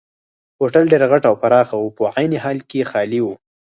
هوټل ډېر غټ او پراخه وو خو په عین حال کې خالي وو.